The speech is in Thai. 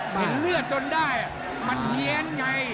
เห็นเลือดจนได้มันเฮียนไง